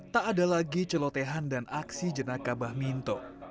tak ada lagi celotehan dan aksi jenaka bah minto